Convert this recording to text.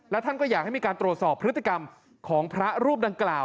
และท่านก็อยากให้มีการตรวจสอบพฤติกรรมของพระรูปดังกล่าว